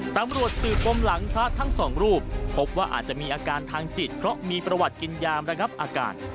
ตำรวจสืบปมหลังพระทั้งสองรูปพบว่าอาจจะมีอาการทางจิตเพราะมีประวัติกินยามระงับอาการ